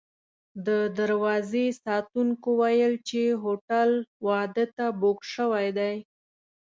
د دروازې ساتونکو ویل چې هوټل واده ته بوک شوی دی.